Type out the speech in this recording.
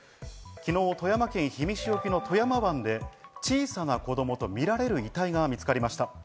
昨日、富山県氷見市沖の富山湾で小さな子供とみられる遺体が見つかりました。